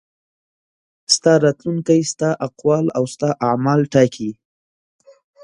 ستا راتلونکی ستا اقوال او ستا اعمال ټاکي.